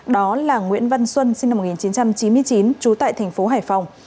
đó là nguyễn văn xuân sinh năm một nghìn chín trăm chín mươi chín trú tại tp hải phòng